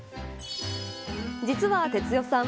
実は哲代さん